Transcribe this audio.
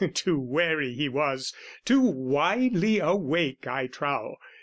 Too wary, he was, too widely awake, I trow.